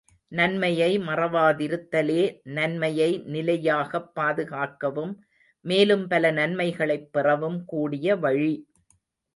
நன்மையை மறவாதிருத்தலே நன்மையை நிலையாகப் பாதுகாக்கவும் மேலும் பல நன்மைகளைப் பெறவும் கூடிய வழி.